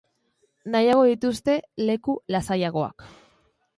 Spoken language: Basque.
Nahiago dituzte leku lasaiagoak.